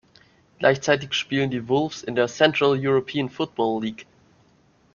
Gleichzeitig spielen die Wolves in der Central European Football League.